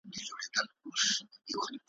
چي په ښار او په مالت کي څه تیریږي `